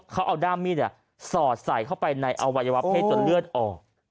เขาเอาด้ามมีดสอดใส่เข้าไปในอวัยวะเพศจนเลือดออก